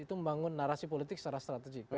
itu membangun narasi politik secara strategik